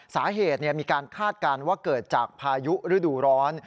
สาเหตุมีการคาดการณ์ว่าเกิดจากพายุฤดูร้อน